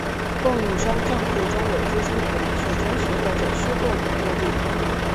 供应商帐户中的资金可以是真实或者虚构的货币。